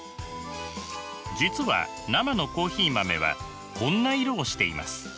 実は生のコーヒー豆はこんな色をしています。